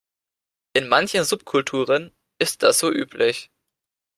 In manchen Subkulturen ist das so üblich.